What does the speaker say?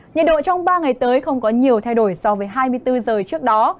nhiệt độ trong ba ngày tới không có nhiều thay đổi so với hai mươi bốn giờ trước đó